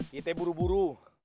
kita cek buru buru